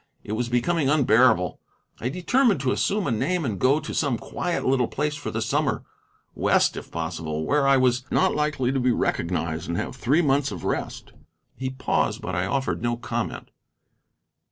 It was becoming unbearable. I determined to assume a name and go to some quiet little place for the summer, West, if possible, where I was not likely to be recognized, and have three months of rest." He paused, but I offered no comment.